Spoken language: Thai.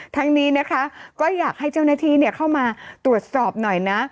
ทั้งนี้นะคะก็อยากให้เจ้าหน้าที่เข้ามาตรวจสอบหน่อยนะ